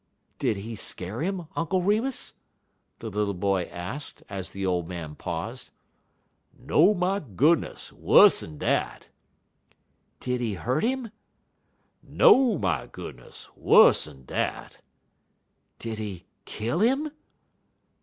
"Did he scare him, Uncle Remus?" the little boy asked, as the old man paused. "No, my goodness! Wuss'n dat!" "Did he hurt him?" "No, my goodness! Wuss'n dat!" "Did he kill him?"